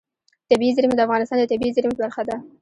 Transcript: طبیعي زیرمې د افغانستان د طبیعي زیرمو برخه ده.